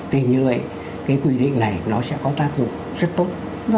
thì như vậy cái quy định này nó sẽ có tác dụng rất tốt